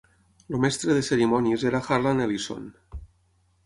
El mestre de cerimònies era Harlan Ellison.